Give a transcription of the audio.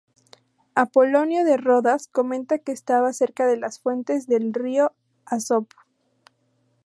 Apolonio de Rodas comenta que estaba cerca de las fuentes del río Asopo.